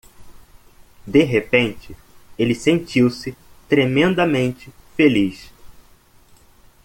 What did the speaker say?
De repente, ele sentiu-se tremendamente feliz.